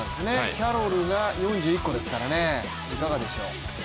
キャロルが、４１個ですからねいかがでしょう。